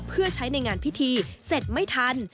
เพื่อใช้ในงานพิธีเสร็จไม่ทัน